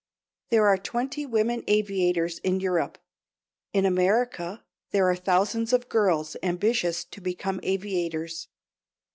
There are twenty women aviators in Europe; in America are thousands of girls ambitious to become aviators.